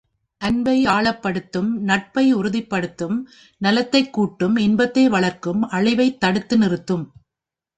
அன்பை ஆழப்படுத்தும் நட்பை உறுதிப் படுத்தும் நலத்தைக் கூட்டும் இன்பத்தை வளர்க்கும், அழிவைத் தடுத்து நிறுத்தும்.